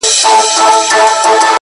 دا څه ليونى دی بيـا يـې وويـل’